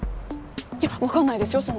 いや分かんないですよ